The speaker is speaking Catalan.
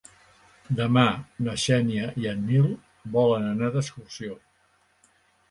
Demà na Xènia i en Nil volen anar d'excursió.